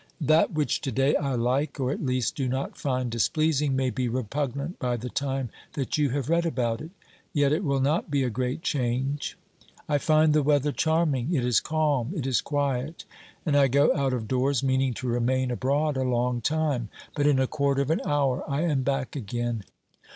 That which to day I like, or at least do not find displeasing, may be repugnant by the time that you have read about it, yet it will not be a great change. I find the weather charming ; it is calm, it is quiet, and I go out of doors meaning to remain abroad a long time, but in a quarter of an hour I am back again.